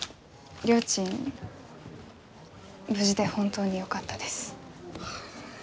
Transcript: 無事で本当によかったです。